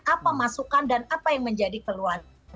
apa masukan dan apa yang menjadi keluhan